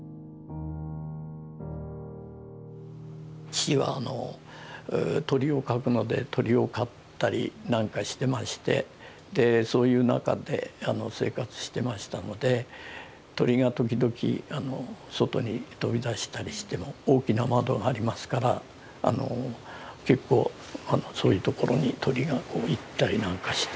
父は鳥を描くので鳥を飼ったりなんかしてましてそういう中で生活してましたので鳥が時々外に飛び出したりしても大きな窓がありますから結構そういうところに鳥が行ったりなんかして。